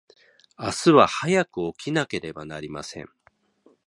明日は早く起きなければなりません。